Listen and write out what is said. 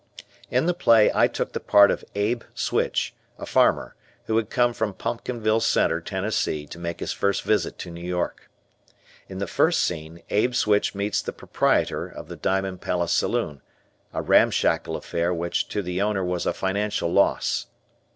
In the play I took the part of Abe Switch, a farmer, who had come from Pumpkinville Center, Tennessee, to make his first visit to New York. In the first scene Abe Switch meets the proprietor of the Diamond Palace Saloon, a ramshackle affair which to the owner was a financial loss.